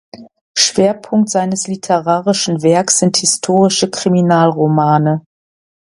Schwerpunkt seines literarischen Werks sind historische Kriminalromane.